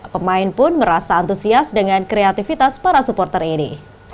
pemain pun merasa antusias dengan kreativitas para supporter ini